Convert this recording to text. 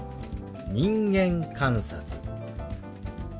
「人間観察」。